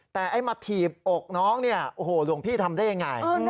แต่ไอ้มาถีบอกน้องเนี่ยโอ้โหหลวงพี่ทำได้ยังไง